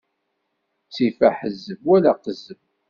Ttif aḥezzeb wala aqezzeb.